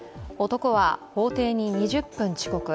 男は法廷に２０分遅刻。